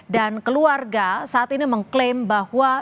dan keluarga saat ini mengklaim bahwa